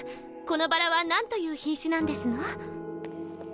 このバラはなんという品種なんですの？